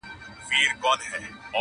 لاس یې پورته د غریب طوطي پر سر کړ٫